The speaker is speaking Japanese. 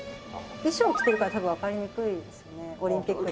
衣装着てるから多分わかりにくいですよねオリンピックって。